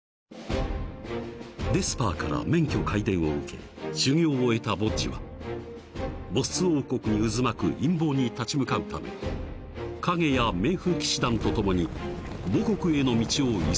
［デスパーから免許皆伝を受け修行を終えたボッジはボッス王国に渦巻く陰謀に立ち向かうためカゲや冥府騎士団と共に母国への道を急いでいた］